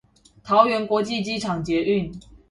桃園國際機場捷運